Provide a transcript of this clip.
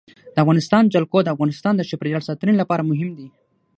د افغانستان جلکو د افغانستان د چاپیریال ساتنې لپاره مهم دي.